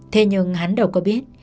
thế nhưng hắn đâu có biết